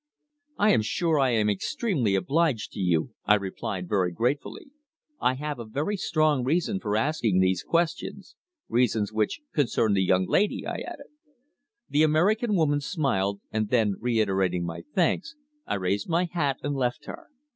"I am sure I am extremely obliged to you," I replied very gratefully. "I have a very strong reason for asking these questions reasons which concern the young lady," I added. The American woman smiled, and then, reiterating my thanks, I raised my hat and left her.